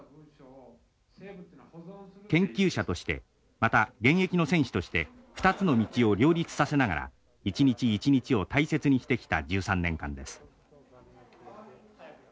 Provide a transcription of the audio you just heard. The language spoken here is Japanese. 研究者としてまた現役の選手として２つの道を両立させながら一日一日を大切にしてきた１３年間です。